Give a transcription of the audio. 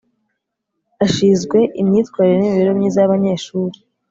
Ashizwe imyitwarire nimibereho myiza yabanyeshuri